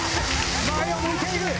前を向いている！